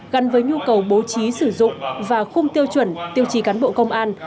gắn với nhu cầu bố trí sử dụng và khung tiêu chuẩn tiêu chí cán bộ công an